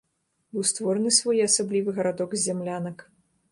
Быў створаны своеасаблівы гарадок з зямлянак.